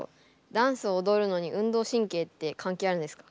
ダンスを踊るのに運動神経って関係あるんですか？